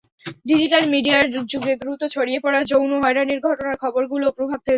Digital মিডিয়ার যুগে দ্রুত ছড়িয়ে পড়া যৌন হয়রানির ঘটনার খবরগুলোও প্রভাব ফেলছে।